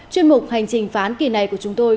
chuyên mục hành trình phán kỳ này của chúng tôi